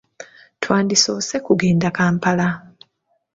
Twandisoose kugenda Kampala.